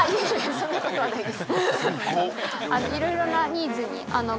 そんな事はないです。